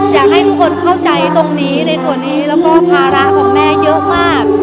อยากให้ทุกคนเข้าใจตรงนี้ในส่วนนี้แล้วก็ภาระของแม่เยอะมาก